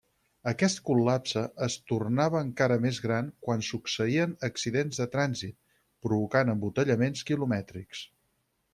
Aquest col·lapse es tornava encara més gran quan succeïen accidents de trànsit, provocant embotellaments quilomètrics.